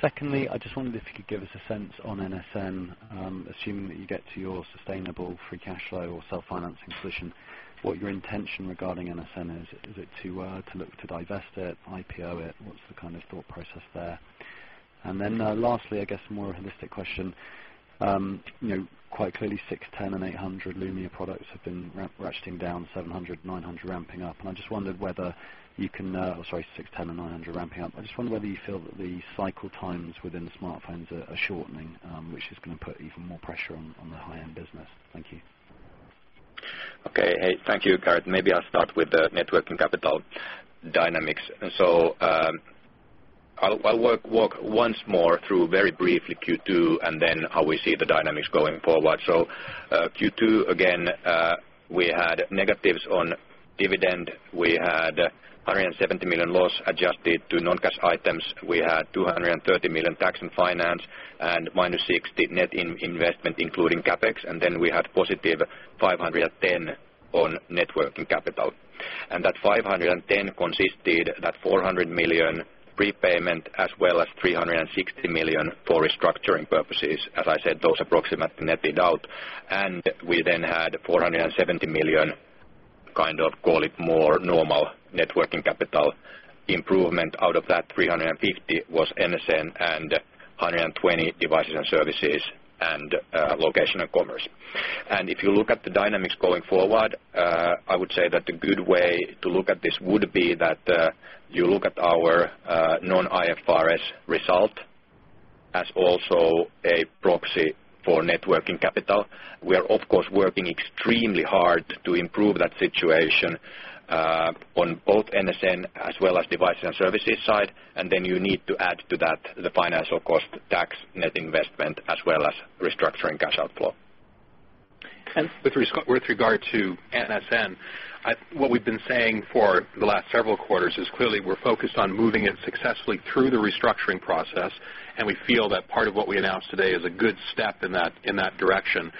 Secondly, I just wondered if you could give us a sense on NSN, assuming that you get to your sustainable free cash flow or self-financing position, what your intention regarding NSN is? Is it to, to look to divest it, IPO it? What's the kind of thought process there? And then, lastly, I guess a more holistic question. You know, quite clearly, 610 and 800 Lumia products have been ratcheting down, 700, 900 ramping up. And I just wondered whether you can. Sorry, 610 and 900 ramping up. I just wonder whether you feel that the cycle times within the smartphones are shortening, which is going to put even more pressure on the high-end business. Thank you.
Okay. Hey, thank you, Gareth. Maybe I'll start with the net working capital dynamics. And so, I'll walk once more through very briefly Q2, and then how we see the dynamics going forward. So, Q2, again, we had negatives on dividend. We had 170 million loss adjusted to non-cash items. We had 230 million tax and finance and -60 million net investment, including CapEx, and then we had positive 510 million on net working capital. And that 510 million consisted, that 400 million prepayment, as well as 360 million for restructuring purposes. As I said, those approximately netted out, and we then had 470 million, kind of, call it more normal net working capital improvement. Out of that, 350 was NSN and 120 Devices and Services and Location and Commerce. If you look at the dynamics going forward, I would say that the good way to look at this would be that you look at our non-IFRS result as also a proxy for net working capital. We are, of course, working extremely hard to improve that situation on both NSN as well as device and services side, and then you need to add to that the financial cost, tax, net investment, as well as restructuring cash outflow.
With regard to NSN, what we've been saying for the last several quarters is clearly we're focused on moving it successfully through the restructuring process, and we feel that part of what we announced today is a good step in that direction.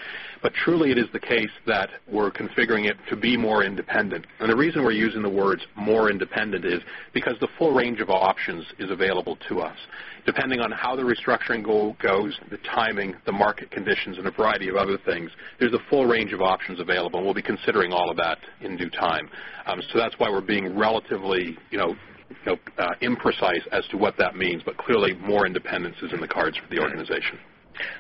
But truly, it is the case that we're configuring it to be more independent. And the reason we're using the words more independent is because the full range of options is available to us. Depending on how the restructuring goal goes, the timing, the market conditions, and a variety of other things, there's a full range of options available, and we'll be considering all of that in due time. So that's why we're being relatively, you know, you know, imprecise as to what that means, but clearly more independence is in the cards for the organization.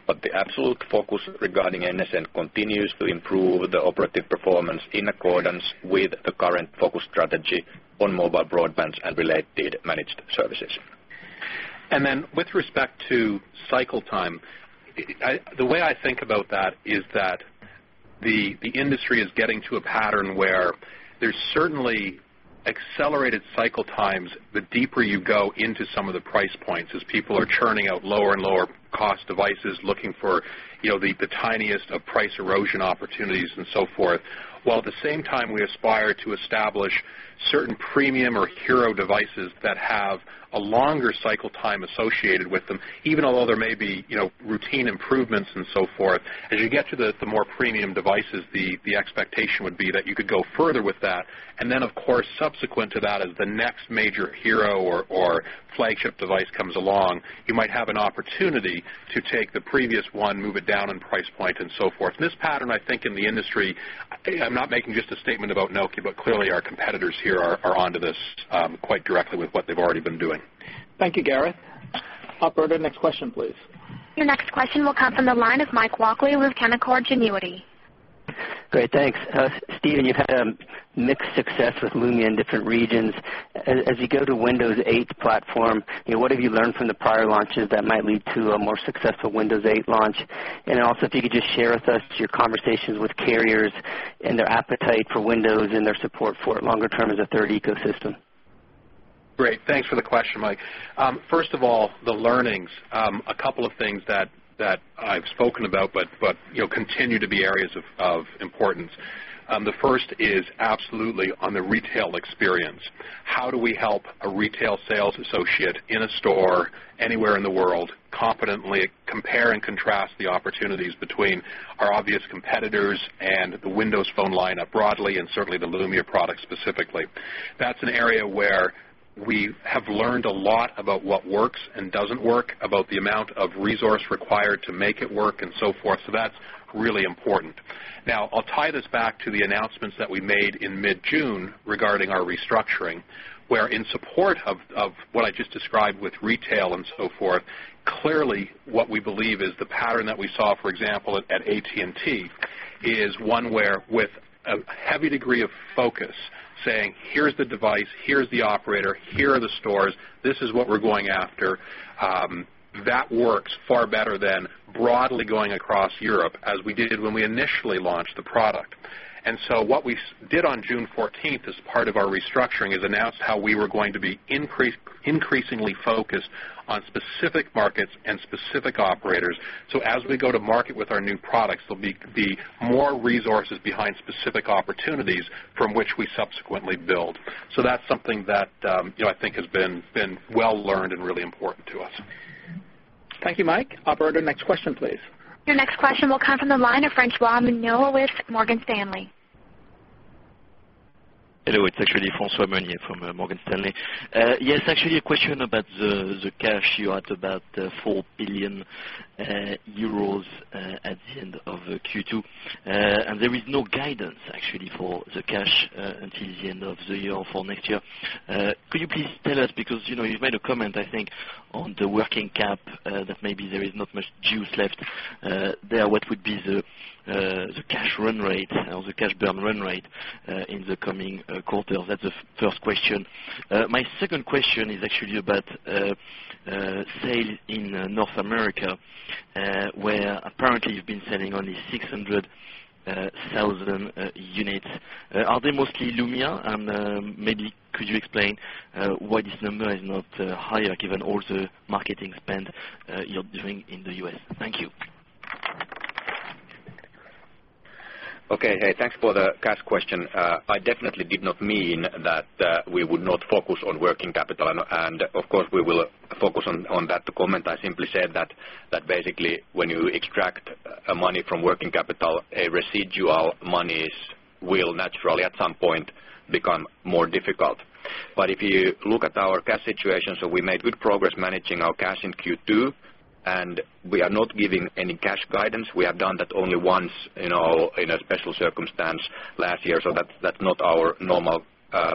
But the absolute focus regarding NSN continues to improve the operative performance in accordance with the current focus strategy on mobile broadband and related managed services.
And then with respect to cycle time, I... The way I think about that is that the, the industry is getting to a pattern where there's certainly accelerated cycle times the deeper you go into some of the price points, as people are churning out lower and lower cost devices, looking for, you know, the, the tiniest of price erosion opportunities and so forth. While at the same time, we aspire to establish certain premium or hero devices that have a longer cycle time associated with them, even although there may be, you know, routine improvements and so forth. As you get to the, the more premium devices, the, the expectation would be that you could go further with that. And then, of course, subsequent to that, as the next major hero or, or flagship device comes along, you might have an opportunity to take the previous one, move it down in price point, and so forth. This pattern, I think, in the industry, I'm not making just a statement about Nokia, but clearly our competitors here are, are onto this, quite directly with what they've already been doing.
Thank you, Gareth. Operator, next question, please.
Your next question will come from the line of Mike Walkley with Canaccord Genuity.
Great, thanks. Stephen, you've had mixed success with Lumia in different regions. As, as you go to Windows 8 platform, you know, what have you learned from the prior launches that might lead to a more successful Windows 8 launch? And also, if you could just share with us your conversations with carriers and their appetite for Windows and their support for it longer term as a third ecosystem.
Great, thanks for the question, Mike. First of all, the learnings, a couple of things that I've spoken about, but you know, continue to be areas of importance. The first is absolutely on the retail experience. How do we help a retail sales associate in a store anywhere in the world confidently compare and contrast the opportunities between our obvious competitors and the Windows Phone lineup broadly, and certainly the Lumia products specifically? That's an area where we have learned a lot about what works and doesn't work, about the amount of resource required to make it work and so forth. So that's really important. Now, I'll tie this back to the announcements that we made in mid-June regarding our restructuring, where in support of what I just described with retail and so forth, clearly what we believe is the pattern that we saw, for example, at AT&T, is one where with a heavy degree of focus, saying: Here's the device, here's the operator, here are the stores, this is what we're going after. That works far better than broadly going across Europe, as we did when we initially launched the product. So what we did on June 14, as part of our restructuring, is announced how we were going to be increasingly focused on specific markets and specific operators. So as we go to market with our new products, there'll be more resources behind specific opportunities from which we subsequently build. That's something that, you know, I think has been well learned and really important to us....
Thank you, Mike. Operator, next question, please.
Your next question will come from the line of François Meunier with Morgan Stanley.
Hello, it's actually François Meunier from Morgan Stanley. Yes, actually, a question about the cash. You had about 4 billion euros at the end of Q2. There is no guidance, actually, for the cash until the end of the year or for next year. Could you please tell us, because, you know, you've made a comment, I think, on the working cap that maybe there is not much juice left there. What would be the cash run rate or the cash burn run rate in the coming quarters? That's the first question. My second question is actually about sales in North America, where apparently you've been selling only 600,000 units. Are they mostly Lumia? Maybe could you explain why this number is not higher, given all the marketing spend you're doing in the U.S.? Thank you.
Okay. Hey, thanks for the cash question. I definitely did not mean that we would not focus on working capital, and, and of course, we will focus on, on that. To comment, I simply said that, that basically, when you extract money from working capital, a residual monies will naturally, at some point, become more difficult. But if you look at our cash situation, so we made good progress managing our cash in Q2, and we are not giving any cash guidance. We have done that only once in our, in a special circumstance last year, so that's, that's not our normal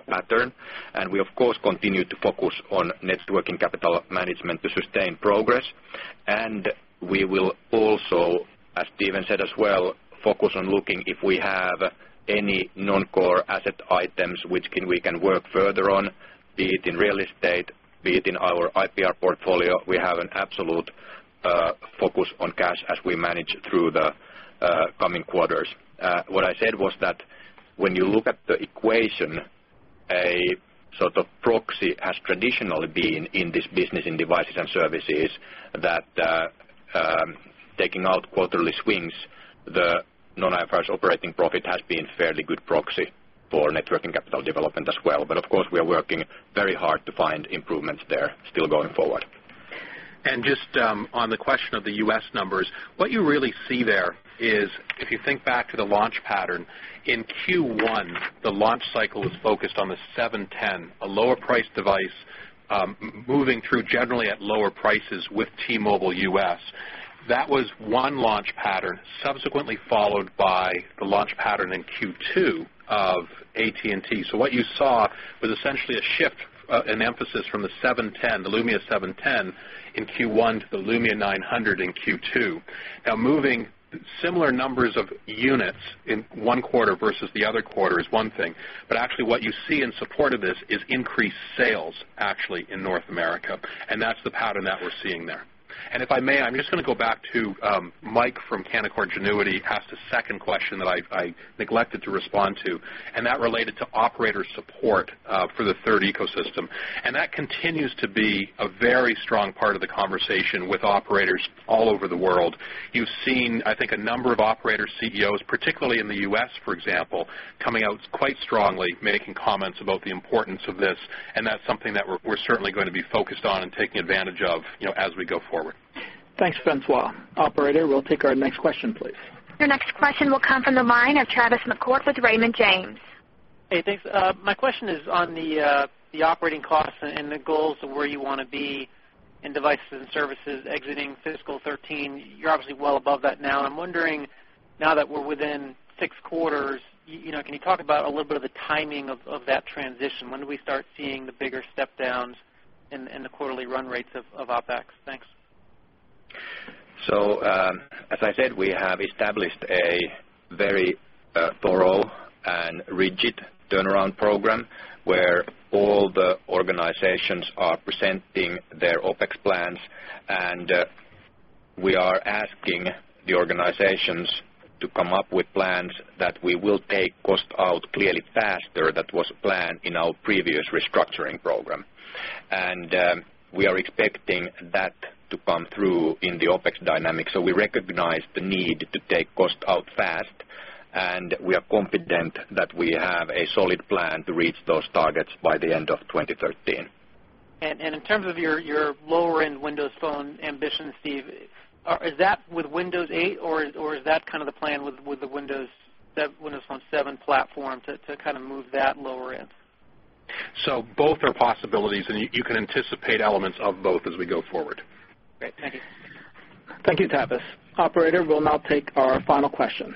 pattern. And we, of course, continue to focus on net working capital management to sustain progress. We will also, as Stephen said as well, focus on looking if we have any non-core asset items which can, we can work further on, be it in real estate, be it in our IPR portfolio. We have an absolute focus on cash as we manage through the coming quarters. What I said was that when you look at the equation, a sort of proxy has traditionally been in this business, in Devices and Services, that, taking out quarterly swings, the non-IFRS operating profit has been fairly good proxy for net working capital development as well. But of course, we are working very hard to find improvements there, still going forward.
And just on the question of the U.S. numbers, what you really see there is, if you think back to the launch pattern, in Q1, the launch cycle was focused on the 710, a lower priced device, moving through generally at lower prices with T-Mobile U.S. That was one launch pattern, subsequently followed by the launch pattern in Q2 of AT&T. So what you saw was essentially a shift, an emphasis from the 710, the Lumia 710 in Q1 to the Lumia 900 in Q2. Now moving similar numbers of units in one quarter versus the other quarter is one thing, but actually what you see in support of this is increased sales, actually, in North America, and that's the pattern that we're seeing there. And if I may, I'm just gonna go back to Mike from Canaccord Genuity, asked a second question that I, I neglected to respond to, and that related to operator support for the third ecosystem. And that continues to be a very strong part of the conversation with operators all over the world. You've seen, I think, a number of operator CEOs, particularly in the U.S., for example, coming out quite strongly, making comments about the importance of this, and that's something that we're, we're certainly going to be focused on and taking advantage of, you know, as we go forward.
Thanks, François. Operator, we'll take our next question, please.
Your next question will come from the line of Tavis McCourt with Raymond James.
Hey, thanks. My question is on the operating costs and the goals of where you want to be in Devices and Services exiting fiscal 2013. You're obviously well above that now. I'm wondering, now that we're within 6 quarters, you know, can you talk about a little bit of the timing of that transition? When do we start seeing the bigger step downs in the quarterly run rates of OpEx? Thanks.
So, as I said, we have established a very thorough and rigid turnaround program, where all the organizations are presenting their OpEx plans, and we are asking the organizations to come up with plans that we will take cost out clearly faster than was planned in our previous restructuring program. We are expecting that to come through in the OpEx dynamic. So we recognize the need to take cost out fast, and we are confident that we have a solid plan to reach those targets by the end of 2013.
In terms of your lower-end Windows Phone ambitions, Steve, is that with Windows 8, or is that kind of the plan with the Windows, that Windows Phone 7 platform to kind of move that lower end?
Both are possibilities, and you, you can anticipate elements of both as we go forward.
Great. Thank you.
Thank you, Tavis. Operator, we'll now take our final question.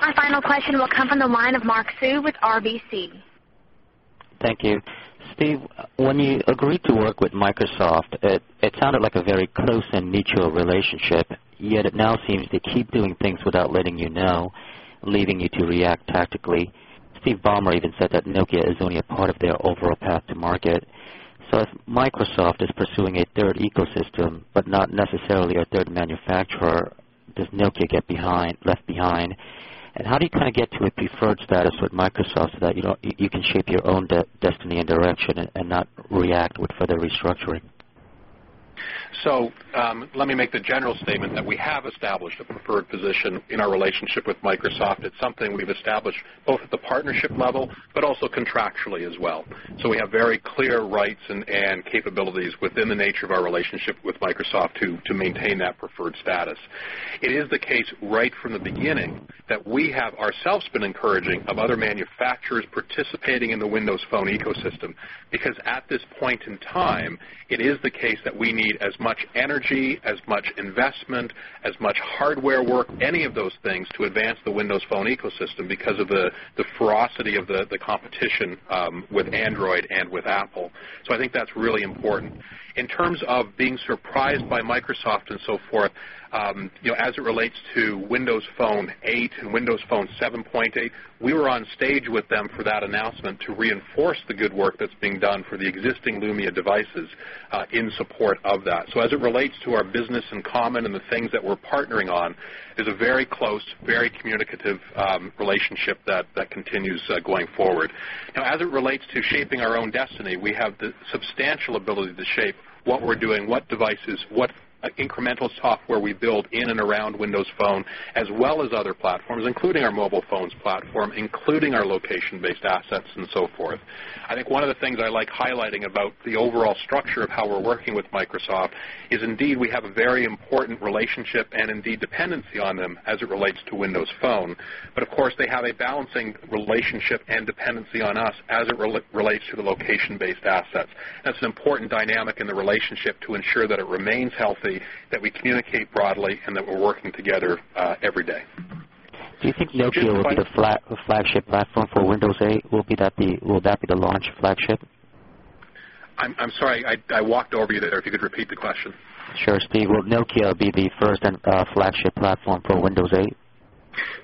Our final question will come from the line of Mark Sue with RBC.
Thank you. Steve, when you agreed to work with Microsoft, it sounded like a very close and mutual relationship, yet it now seems to keep doing things without letting you know, leaving you to react tactically. Steve Ballmer even said that Nokia is only a part of their overall path to market. So if Microsoft is pursuing a third ecosystem, but not necessarily a third manufacturer, does Nokia get left behind? And how do you kind of get to a preferred status with Microsoft so that, you know, you can shape your own destiny and direction and not react with further restructuring?
Let me make the general statement that we have established a preferred position in our relationship with Microsoft. It's something we've established both at the partnership level, but also contractually as well. So we have very clear rights and capabilities within the nature of our relationship with Microsoft to maintain that preferred status. It is the case right from the beginning that we have ourselves been encouraging of other manufacturers participating in the Windows Phone ecosystem, because at this point in time, it is the case that we need as much energy, as much investment, as much hardware work, any of those things to advance the Windows Phone ecosystem because of the ferocity of the competition with Android and with Apple. So I think that's really important. In terms of being surprised by Microsoft and so forth, you know, as it relates to Windows Phone 8 and Windows Phone 7.8, we were on stage with them for that announcement to reinforce the good work that's being done for the existing Lumia devices, in support of that. So as it relates to our business in common and the things that we're partnering on, is a very close, very communicative, relationship that continues, going forward. Now, as it relates to shaping our own destiny, we have the substantial ability to shape what we're doing, what devices, what incremental software we build in and around Windows Phone, as well as other platforms, including our Mobile Phones platform, including our location-based assets and so forth. I think one of the things I like highlighting about the overall structure of how we're working with Microsoft, is indeed, we have a very important relationship and indeed, dependency on them as it relates to Windows Phone. But of course, they have a balancing relationship and dependency on us as it relates to the location-based assets. That's an important dynamic in the relationship to ensure that it remains healthy, that we communicate broadly, and that we're working together, every day.
Do you think Nokia will be the flagship platform for Windows 8? Will that be the launch flagship?
I'm sorry, I walked over you there. If you could repeat the question.
Sure, Steve. Will Nokia be the first and flagship platform for Windows 8?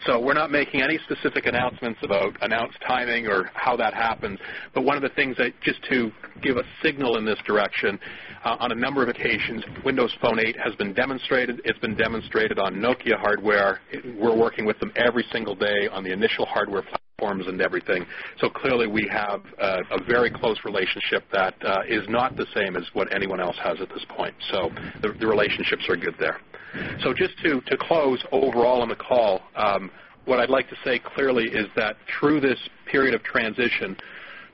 So we're not making any specific announcements about announced timing or how that happens. But one of the things that, just to give a signal in this direction, on a number of occasions, Windows Phone 8 has been demonstrated. It's been demonstrated on Nokia hardware. We're working with them every single day on the initial hardware platforms and everything. So clearly, we have a very close relationship that is not the same as what anyone else has at this point. So the relationships are good there. So just to close overall on the call, what I'd like to say clearly is that through this period of transition,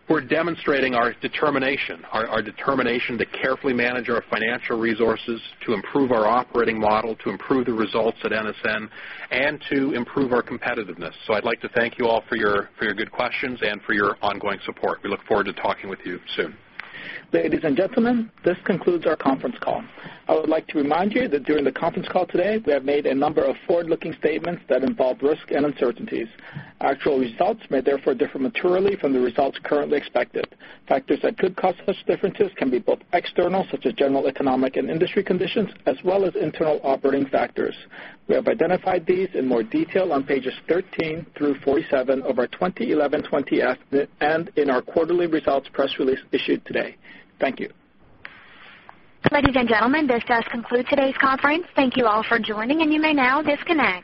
we're demonstrating our determination, our determination to carefully manage our financial resources, to improve our operating model, to improve the results at NSN, and to improve our competitiveness. I'd like to thank you all for your good questions and for your ongoing support. We look forward to talking with you soon.
Ladies and gentlemen, this concludes our conference call. I would like to remind you that during the conference call today, we have made a number of forward-looking statements that involve risk and uncertainties. Actual results may therefore differ materially from the results currently expected. Factors that could cause such differences can be both external, such as general economic and industry conditions, as well as internal operating factors. We have identified these in more detail on pages 13-47 of our 2011 20-F and in our quarterly results press release issued today. Thank you.
Ladies and gentlemen, this does conclude today's conference. Thank you all for joining, and you may now disconnect.